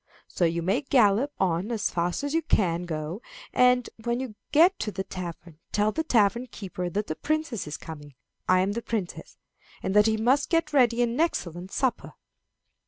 So you may gallop on as fast as you can go, and, when you get to the tavern, tell the tavern keeper that the princess is coming I am the princess and that he must get ready an excellent supper."